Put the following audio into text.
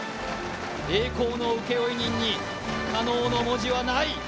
栄光の請負人に不可能の文字はない。